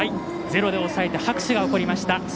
ゼロで抑えて拍手が起こりました。